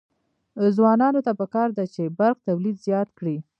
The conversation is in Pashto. ځوانانو ته پکار ده چې، برق تولید زیات کړي.